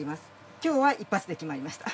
今日は一発で決まりました。